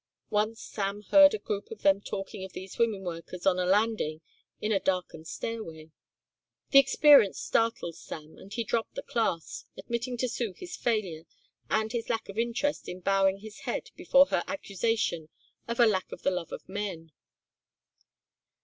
Once Sam heard a group of them talking of these women workers on a landing in a darkened stairway. The experience startled Sam and he dropped the class, admitting to Sue his failure and his lack of interest and bowing his head before her accusation of a lack of the love of men.